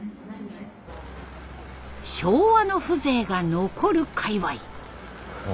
昭和の風情が残る界わい。